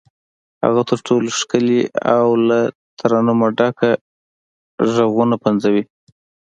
هغه تر ټولو ښکلي او له ترنمه ډک غږونه پنځوي.